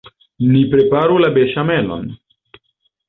Ni preparu la beŝamelon.